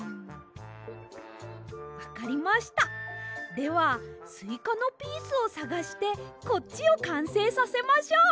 ではスイカのピースをさがしてこっちをかんせいさせましょう！